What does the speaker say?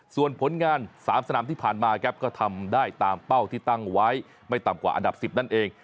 ส่วนผลงาน๓สนามที่ผ่านมาครับก็ทำได้ตามเป้าที่ตั้งไว้ไม่ต่ำกว่าอันดับ๑๐นั่นเอง